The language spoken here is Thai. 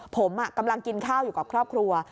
ผมกำลังกินข้าวอยู่กับครอบครัว